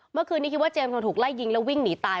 เมื่อคืนนี้คิดว่าเจมส์ถูกไล่ยิงแล้ววิ่งหนีตาย